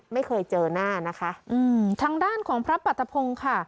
ไม่เคยเจอหน้านะคะอืมทางด้านของพระปรัฐพงศ์ค่ะ